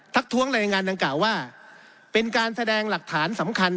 ท้วงรายงานดังกล่าวว่าเป็นการแสดงหลักฐานสำคัญ